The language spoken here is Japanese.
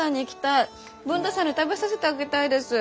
文太さんに食べさせてあげたいです。